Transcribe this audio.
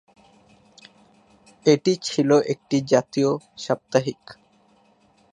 এটি ছিল একটি জাতীয় সাপ্তাহিক।